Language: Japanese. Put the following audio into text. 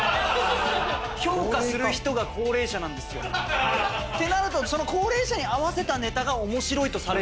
評価する人が高齢者なんですよ。ってなると高齢者に合わせたネタが面白いとされるんですよ。